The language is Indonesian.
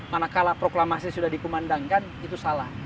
manakala proklamasi sudah dikumandangkan itu salah